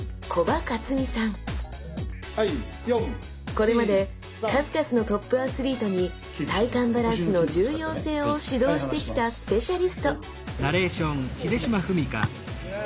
これまで数々のトップアスリートに体幹バランスの重要性を指導してきたスペシャリスト！